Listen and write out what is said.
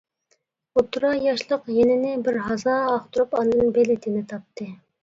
ئوتتۇرا ياشلىق يېنىنى بىر ھازا ئاختۇرۇپ ئاندىن بېلىتىنى تاپتى.